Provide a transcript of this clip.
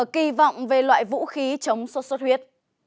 kỳ vọng về loại vũ khí chống sốt xuất huyết